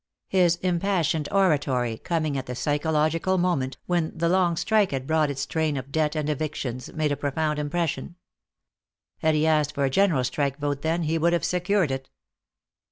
His impassioned oratory, coming at the psychological moment, when the long strike had brought its train of debt and evictions, made a profound impression. Had he asked for a general strike vote then, he would have secured it.